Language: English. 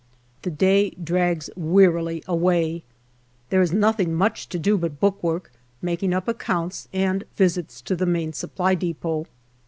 The day drags wearily away. There is nothing much to do but bookwork, making up accounts, and visits to the Main Supply depot.